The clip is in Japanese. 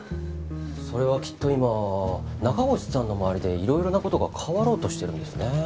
それはきっと今中越さんの周りでいろいろな事が変わろうとしてるんですね。